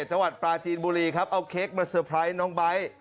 จังหวัดปลาจีนบุรีครับเอาเค้กมาเตอร์ไพรส์น้องไบท์